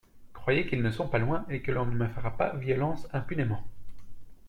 Croyez qu'ils ne sont pas loin et que l'on ne me fera pas violence impunément.